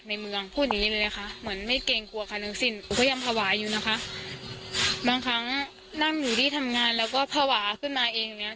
นั่งอยู่ที่ทำงานแล้วก็ภาวะขึ้นมาเองอย่างนี้